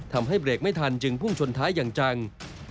ทำให้เบรกไม่ทันจึงพุ่งชนท้ายอย่างจัง